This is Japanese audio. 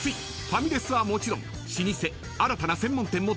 ［ファミレスはもちろん老舗新たな専門店も登場し